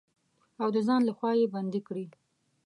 او د ځان لخوا يې بندې کړي.